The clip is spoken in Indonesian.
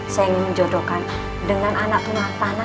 saya ingin menjodohkan dengan anak tuan antara